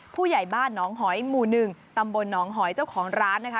ผู้ใหญ่บ้านหนองหอยหมู่๑ตำบลหนองหอยเจ้าของร้านนะคะ